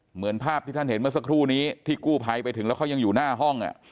เหมือนภาพที่ท่านเห็นเมื่อสักครู่นี้ที่กู้ภัยไปถึงแล้วเขายังอยู่หน้าห้อง